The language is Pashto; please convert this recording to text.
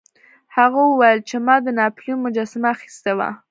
هغه وویل چې ما د ناپلیون مجسمه اخیستې وه.